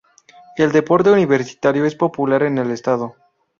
El deporte universitario es muy popular en el estado.